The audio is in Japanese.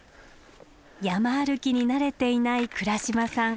山歩きに慣れていない倉嶋さん